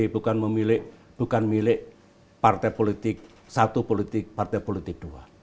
bukan memiliki bukan milik partai politik satu partai politik dua